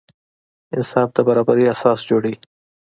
انصاف د برابري اساس جوړوي.